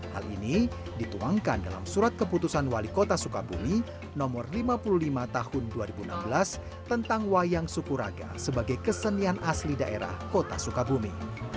hal ini dituangkan dalam surat keputusan wali kota sukabumi no lima puluh lima tahun dua ribu enam belas tentang wayang sukuraga sebagai kesenian asli daerah kota sukabumi